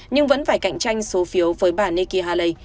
nhưng vẫn phải cạnh tranh số phiếu với bà neki haley